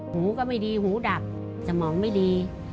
หูก็ไม่ดีหูดับสมองไม่ดี